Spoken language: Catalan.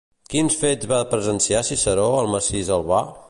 Quins fets va presenciar Ciceró al massís Albà?